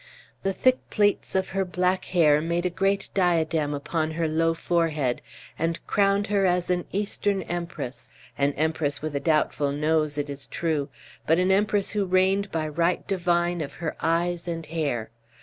The thick plaits of her black hair made a great diadem upon her low forehead, and crowned her an Eastern empress an empress with a doubtful nose, it is true, but an empress who reigned by right divine of her eyes and hair.